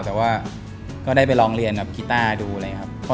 แต่ว่าก็ได้ไปลองเรียนกับกีต้าดูอะไรอย่างนี้ครับ